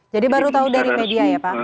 jadi baru tahu dari media ya pak